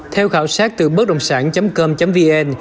theo khảo sát từ bất đồng sản com vn